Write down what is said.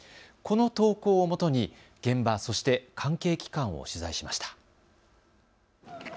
この投稿をもとに現場、そして関係機関を取材しました。